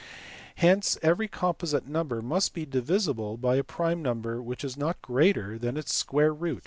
Hence every composite number must be divisible by a prime which is not greater than its square root.